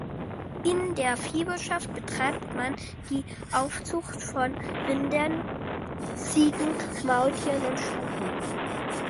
In der Viehwirtschaft betreibt man die Aufzucht von Rindern, Ziegen, Maultieren und Stuten.